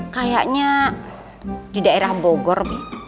kayaknya di daerah bogor